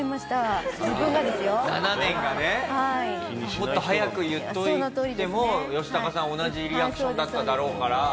もっと早く言っといてもヨシタカさん同じリアクションだっただろうから。